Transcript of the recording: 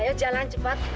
ayo jalan cepat